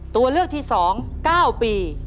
ตัวเลือกที่สองเก้าปี